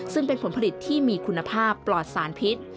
ซึ่งเป็นผลผลิตที่มีคุณภาพปลอดสารพิษ